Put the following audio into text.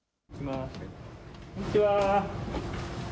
こんにちは。